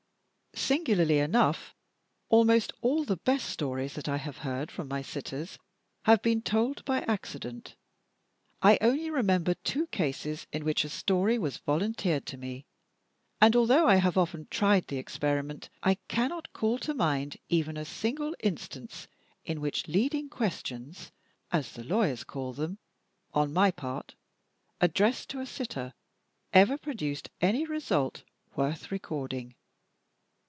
Singularly enough, almost all the best stories that I have heard from my sitters have been told by accident. I only remember two cases in which a story was volunteered to me, and, although I have often tried the experiment, I cannot call to mind even a single instance in which leading questions (as the lawyers call them) on my part, addressed to a sitter, ever produced any result worth recording.